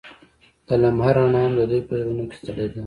د لمحه رڼا هم د دوی په زړونو کې ځلېده.